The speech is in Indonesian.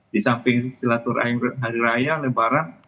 di samping silaturahim hari raya lebaran